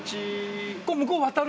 向こう渡る？